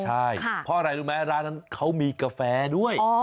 ใช่เพราะอะไรรู้ไหมร้านนั้นเขามีกาแฟด้วย